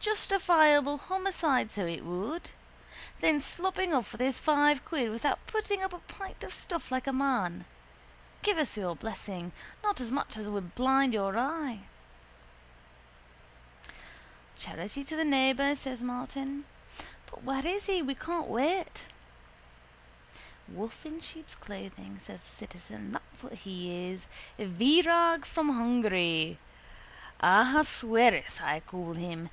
Justifiable homicide, so it would. Then sloping off with his five quid without putting up a pint of stuff like a man. Give us your blessing. Not as much as would blind your eye. —Charity to the neighbour, says Martin. But where is he? We can't wait. —A wolf in sheep's clothing, says the citizen. That's what he is. Virag from Hungary! Ahasuerus I call him.